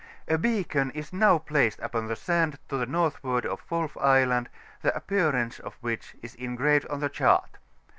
A beacon is now placed upon the sand to the northward of Wolf Island, the appearance of which is engraved on the chart.